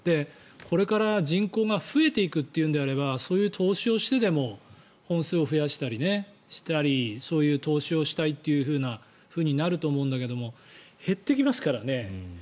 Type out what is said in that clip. これから人口が増えていくというのであればそういう投資をしてでも本数を増やしたりそういう投資をしたいっていうふうになると思うんだけど減ってきますからね。